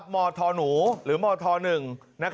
มธหนูหรือมธหนึ่ง